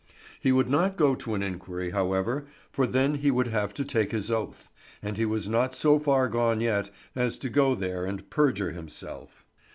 He would not go to an inquiry, however, for then he would have to take his oath; and he was not so far gone yet as to go there and perjure himself.